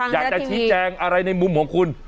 อยากจะชี้แจงอะไรในมุมของคุณ